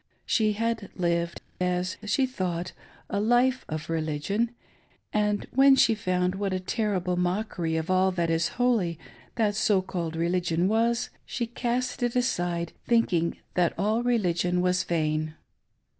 She had lived, as she thought, a life of religion ; and when she found what a terrible mockery of all that is holy that so called religion was, she cast it aside, thinking that all religion was vain.